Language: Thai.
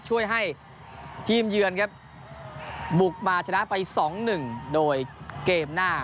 ช่วยให้ทีมเยือนครับบุกมาชนะไป๒๑โดยเกมหน้า